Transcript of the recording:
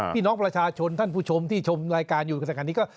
พี่น้องประชาชนท่านผู้ชมที่ชมรายการอยู่กับสถานการณ์นี้ก็